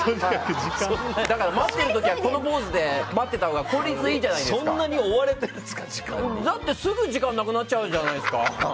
だから待ってる時はこのポーズで待ってたほうがそんなに時間にすぐ時間がなくなっちゃうじゃないですか。